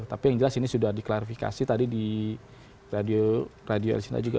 tapi yang jelas ini sudah diklarifikasi tadi di radio el cina juga